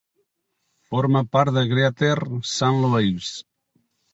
Forma part de Greater Saint Louis.